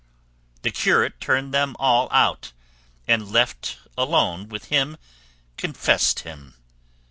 The curate turned them all out, and left alone with him confessed him.